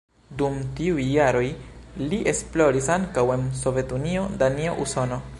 Dum tiuj jaroj li esploris ankaŭ en Sovetunio, Danio, Usono.